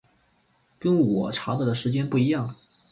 跟我查到的时间不一样